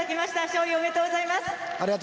勝利、おめでとうございます。